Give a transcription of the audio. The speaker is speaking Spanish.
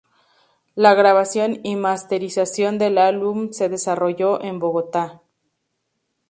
La grabación y masterización del álbum se desarrolló en Bogotá.